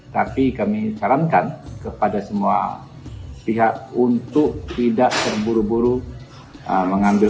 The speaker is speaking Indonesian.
tapi kami sarankan kepada semua pihak untuk tidak terburu buru mengambil